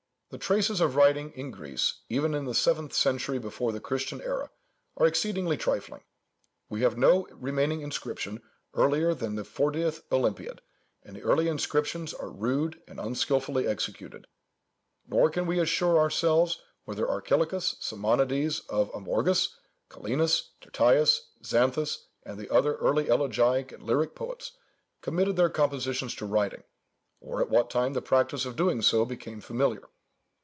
The traces of writing in Greece, even in the seventh century before the Christian æra, are exceedingly trifling. We have no remaining inscription earlier than the fortieth Olympiad, and the early inscriptions are rude and unskilfully executed; nor can we even assure ourselves whether Archilochus, Simonidês of Amorgus, Kallinus, Tyrtæus, Xanthus, and the other early elegiac and lyric poets, committed their compositions to writing, or at what time the practice of doing so became familiar.